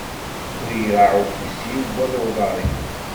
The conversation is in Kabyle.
Ur iraɛ ufus-iw, wala uḍaṛ-iw.